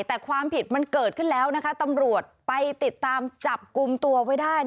แต่ความผิดมันเกิดขึ้นแล้วนะคะตำรวจไปติดตามจับกลุ่มตัวไว้ได้